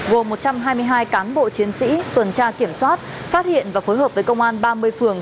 gồm một trăm hai mươi hai cán bộ chiến sĩ tuần tra kiểm soát phát hiện và phối hợp với công an ba mươi phường